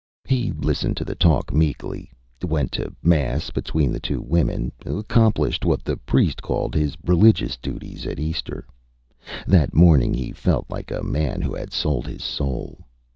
He listened to the talk meekly; went to mass between the two women; accomplished what the priest called Âhis religious dutiesÂ at Easter. That morning he felt like a man who had sold his soul.